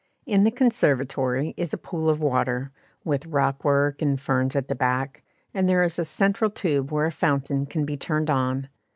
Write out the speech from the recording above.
In the conservatory is a pool of water, with rock work and ferns at the back, and there is a central tube where a fountain can be turned on.